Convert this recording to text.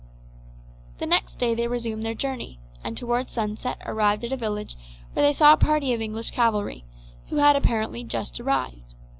The next day they resumed their journey, and towards sunset arrived at a village where they saw a party of English cavalry, who had apparently but just arrived.